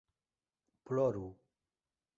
ploru